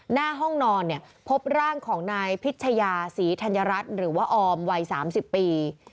หน้าห้องนอนเนี่ยพบร่างของนายพิชยาศรีธัญรัฐหรือว่าออมวัย๓๐ปี